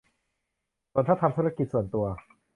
ส่วนถ้าทำธุรกิจส่วนตัว